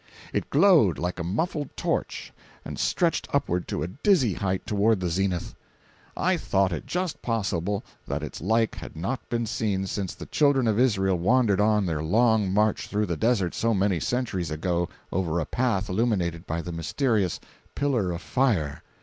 It glowed like a muffled torch and stretched upward to a dizzy height toward the zenith. I thought it just possible that its like had not been seen since the children of Israel wandered on their long march through the desert so many centuries ago over a path illuminated by the mysterious "pillar of fire."